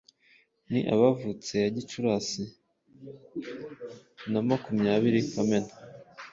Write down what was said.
ni abavutse ya Gicurasi na makumyabiri Kamena